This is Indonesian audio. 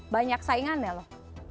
banyak saingannya loh